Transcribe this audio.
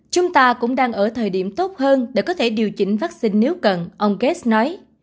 chúng ta cũng đang ở thời điểm tốt hơn để có thể điều chỉnh vaccine nếu cần ông gate nói